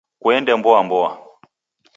Kuende mboa mboa